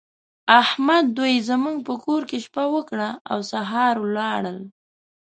احمد دوی زموږ په کور کې شپه وکړه او سهار ولاړل.